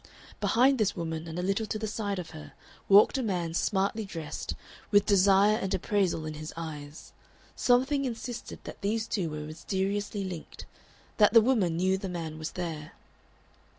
Behind this woman and a little to the side of her, walked a man smartly dressed, with desire and appraisal in his eyes. Something insisted that those two were mysteriously linked that the woman knew the man was there.